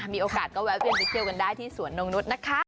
มีโอกาสก็แวะเวียนไปเที่ยวกันได้ที่สวนนงนุษย์นะคะ